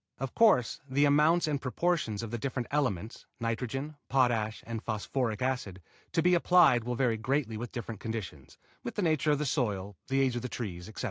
Of course the amounts and proportions of the different elements (nitrogen, potash and phosphoric acid) to be applied will vary greatly with different conditions, with the nature of the soil, the age of the trees, etc.